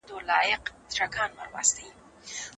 تاسي کله له دغي پوهني څخه اغېزمن سواست؟